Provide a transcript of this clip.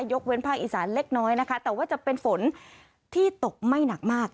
ยกเว้นภาคอีสานเล็กน้อยนะคะแต่ว่าจะเป็นฝนที่ตกไม่หนักมาก